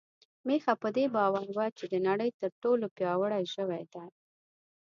میښه په دې باور وه چې د نړۍ تر ټولو پياوړې ژوی ده.